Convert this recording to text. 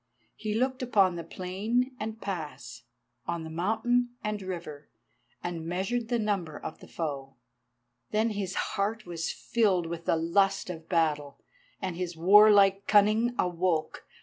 He looked upon plain and pass, on mountain and river, and measured the number of the foe. Then his heart was filled with the lust of battle, and his warlike cunning awoke.